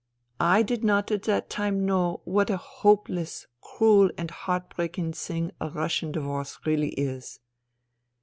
I did not at that time know what a hopeless, cruel and heartbreaking thing a Russian divorce really is.